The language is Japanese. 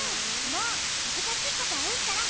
もうむずかしいことはいいから！